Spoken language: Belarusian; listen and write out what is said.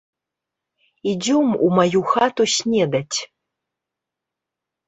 Ідзём у маю хату снедаць!